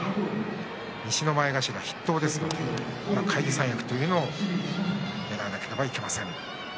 西の前頭筆頭ですので返り三役というのをねらわなければなりません。